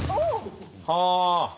はあ。